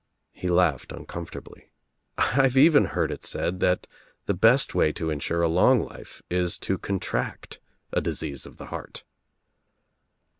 He laughed uncomfortably. "I've even heard it said that the best way to Insure a long life Is to contract a disease of the heart."